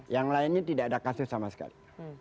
yang lainnya tidak ada kasus sama sekali